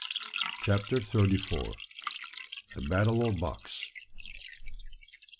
CHAPTER THIRTY FOUR. A BATTLE OF BUCKS.